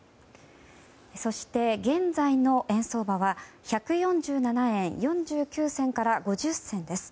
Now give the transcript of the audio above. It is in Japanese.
そして、現在の円相場は１４７円４９銭から５０銭です。